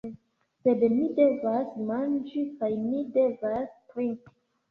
Sed ni devas manĝi kaj ni devas trinki.